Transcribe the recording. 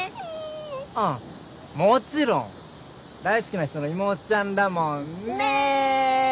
うんもちろん大好きな人の妹ちゃんだもんねね